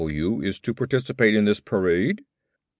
F.W. is to participate in this parade?"